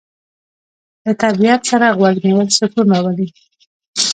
له طبیعت سره غوږ نیول سکون راولي.